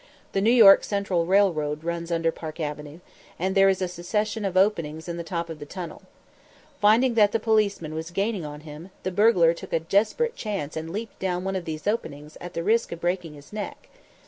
The New York Central Railroad runs under Park Avenue, and there is a succession of openings in the top of the tunnel. Finding that the policeman was gaining on him, the burglar took a desperate chance and leaped down one of these openings, at the risk of breaking his neck.